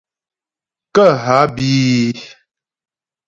Kə́ há bí í.